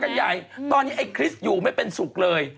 กันใหญ่ตอนนี้ไอ้คริสต์อยู่ไม่เป็นสุขเลย